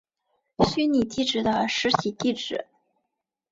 虚拟地址的实体地址。